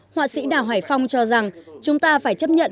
họa sĩ đào hải phong cho rằng chúng ta phải chấp nhận